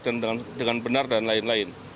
dan dengan benar dan lain lain